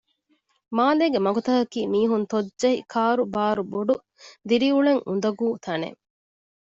މާލޭގެ މަގުތަކަކީ މީހުން ތޮއްޖެހި ކާރުބާރު ބޮޑު ދިރިއުޅެން އުނދަގޫ ތަނެއް